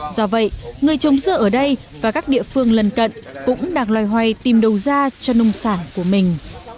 do vậy người trồng dưa ở đây và các địa phương lân cận cũng đang loay hoay tìm đầu ra cho nông sản của mình